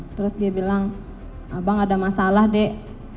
terus dia bilang abang ada masalah dek